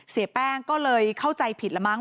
เสียแป้งก็เลยเข้าใจผิดละมั้